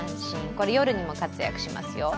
これ、夜にも活躍しますよ。